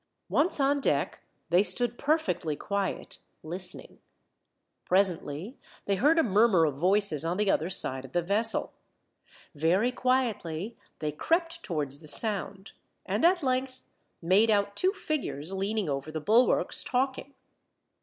Once on deck they stood perfectly quiet, listening. Presently they heard a murmur of voices on the other side of the vessel. Very quietly they crept towards the sound, and at length made out two figures leaning over the bulwarks, talking.